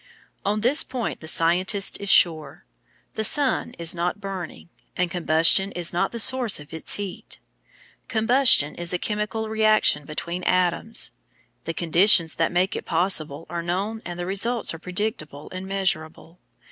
On this point the scientist is sure. The sun is not burning, and combustion is not the source of its heat. Combustion is a chemical reaction between atoms. The conditions that make it possible are known and the results are predictable and measurable.